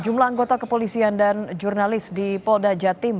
jumlah anggota kepolisian dan jurnalis di polda jatim